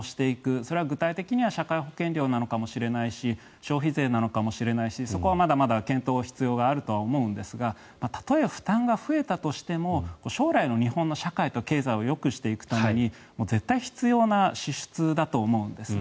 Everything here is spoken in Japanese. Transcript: それは具体的には社会保険料なのかもしれないし消費税なのかもしれないしそこはまだまだ検討の必要があると思うんですがたとえ負担が増えたとしても将来の日本の社会と経済をよくしていくために絶対必要な支出だと思うんですよね。